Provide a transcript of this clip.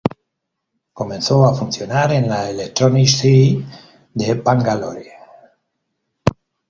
Comenzó a funcionar en la "Electronics City" de Bangalore.